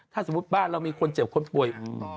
ถ้าสมมุติบ้านเรามีคนเจ็บคนป่วย